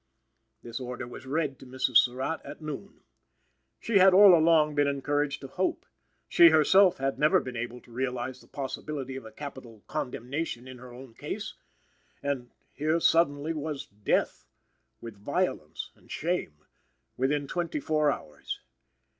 This order was read to Mrs. Surratt at noon. She had all along been encouraged to hope. She, herself, had never been able to realize the possibility of a capital condemnation in her own case. And, here, suddenly, was Death, with violence and shame, within twenty four hours.